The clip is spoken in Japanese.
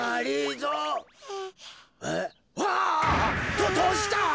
どどうした？